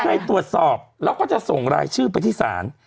ให้ตรวจสอบแล้วก็จะส่งรายชื่อไปที่ศาล